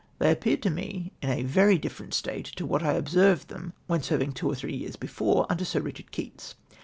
They ajDpeared to ine in a very different state to what I observed them when serving two or three years before under Sir Eicliard Keats.